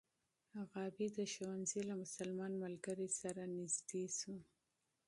غابي د ښوونځي له مسلمان ملګري سره نژدې شو.